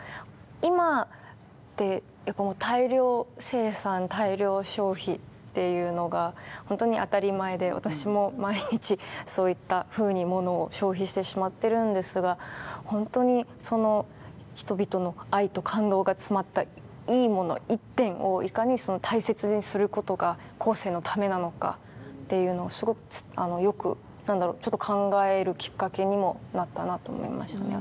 今ってやっぱ大量生産大量消費っていうのがホントに当たり前で私も毎日そういったふうに物を消費してしまってるんですがホントにその人々の愛と感動が詰まったいい物１点をいかに大切にすることが後世のためなのかっていうのをすごくよく何だろうちょっと考えるきっかけにもなったなと思いましたね